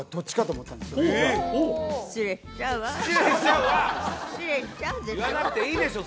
言わなくていいでしょ